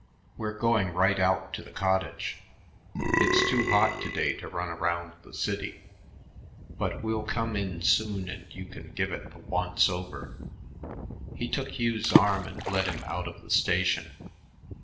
"We're going right out to the cottage. It's too hot to day to run around the city, but we'll come in soon and you can give it the once over." He took Hugh's arm and led him out of the station.